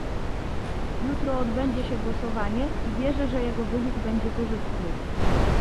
Jutro odbędzie się głosowanie i wierzę, że jego wynik będzie korzystny